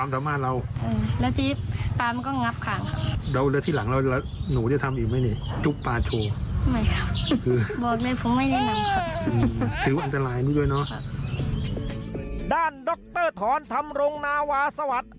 ด้านดรธรธรรมรงนาวาสวัสดิ์